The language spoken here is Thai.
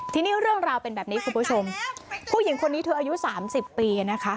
ทีนี้เรื่องราวเป็นแบบนี้คุณผู้ชมผู้หญิงคนนี้เธออายุ๓๐ปีนะคะ